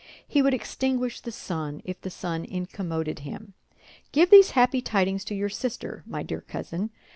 He would extinguish the sun if the sun incommoded him. Give these happy tidings to your sister, my dear cousin.